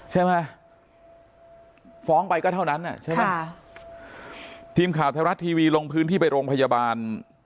ใช่ไหมฟ้องไปก็เท่านั้นอ่ะใช่ไหมค่ะทีมข่าวไทยรัฐทีวีลงพื้นที่ไปโรงพยาบาล